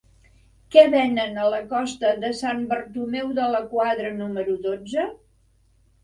Què venen a la costa de Sant Bartomeu de la Quadra número dotze?